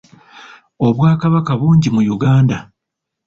Obwakabaka bungi mu Uganda.